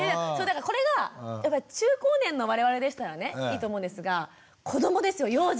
これがやっぱり中高年の我々でしたらねいいと思うんですが子どもですよ幼児。